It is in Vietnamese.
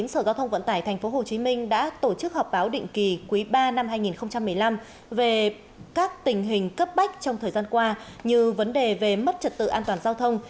sở giao thông vận tải tp hcm đã tổ chức họp báo định kỳ quý ba năm hai nghìn một mươi năm về các tình hình cấp bách trong thời gian qua như vấn đề về mất trật tự an toàn giao thông